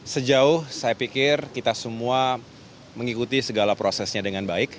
sejauh saya pikir kita semua mengikuti segala prosesnya dengan baik